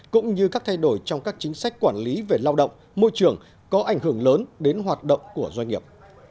cũng như các thay đổi trong các chính sách quản lý về lao động môi trường có ảnh hưởng lớn đến hoạt động của doanh nghiệp